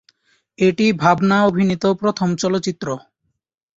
এটি ভাবনা অভিনীত প্রথম চলচ্চিত্র।